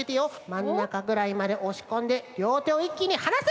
まんなかぐらいまでおしこんでりょうてをいっきにはなす！